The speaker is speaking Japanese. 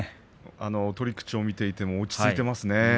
取り口を見ていても落ち着いていますね。